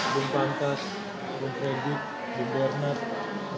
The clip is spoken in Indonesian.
bung pantas bung fredy bung bernard